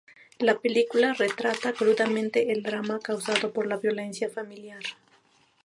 La película retrata crudamente el drama causado por la violencia familiar.